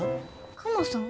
クマさん？